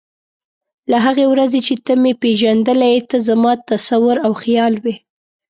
له هغې ورځې چې ته مې پېژندلی یې ته زما تصور او خیال وې.